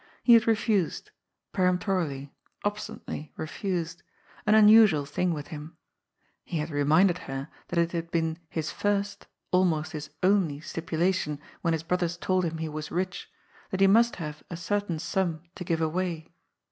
He had refused, peremptorily, obstinately refused — an unusual thing with him. He had reminded her that it had been his first — almost his only — stipulation when his brothers told him he was rich, that he must have a certain sum to give away.